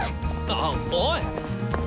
あおい！